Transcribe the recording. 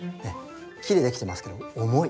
木でできてますけど重い。